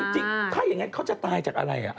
จริงถ้าอย่างนั้นเขาจะตายจากอะไร